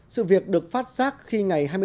sự việc được phát giác khi ngày